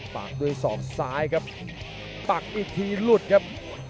ปากด้วยศอกซ้ายครับปักอีกทีหลุดครับ